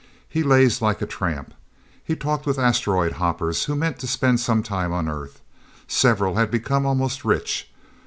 He lazed like a tramp. He talked with asteroid hoppers who meant to spend some time on Earth. Several had become almost rich.